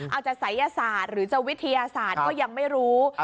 เอาจะศัยศาสตร์หรือจะวิทยาศาสตร์ก็ยังไม่รู้